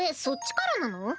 そっちからなの？